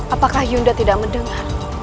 apakah yunda tidak mendengar